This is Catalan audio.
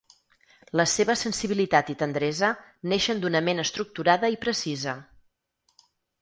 La seva sensibilitat i tendresa neixen d’una ment estructurada i precisa.